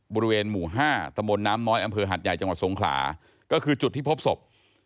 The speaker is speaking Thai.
บริเวณหมู่๕ตะบนน้ำน้อยอำเภอหัดใหญ่จังหวัดสงขลาก็คือจุดที่พบศพ